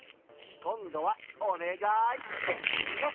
こんどは「おねがい！」っていうよ。